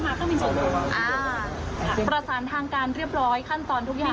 อ่าประสานทางการเรียบร้อยขั้นตอนทุกอย่าง